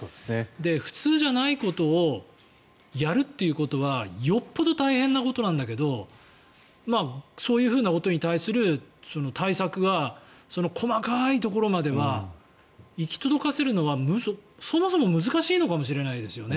普通じゃないことをやるっていうことはよっぽど大変なことなんだけどそういうことに対する対策が細かいところまでは行き届かせるのはそもそも難しいのかもしれないですよね。